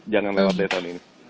jangan lewat deh tahun ini